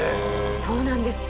そうなんです